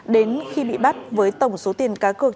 đến khi bị bắt với tổng số tiền cá cược